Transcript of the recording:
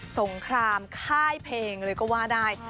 สงครามค่ายเพลงเลยก็ว่าได้